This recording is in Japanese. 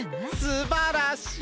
すばらしい！